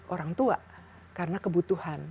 orang tua karena kebutuhan